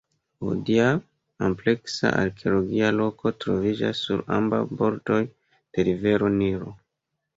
Hodiaŭ ampleksa arkeologia loko troviĝas sur ambaŭ bordoj de rivero Nilo.